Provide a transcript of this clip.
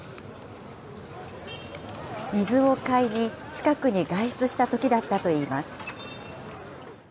水を買いに、近くに外出したときだったといいます。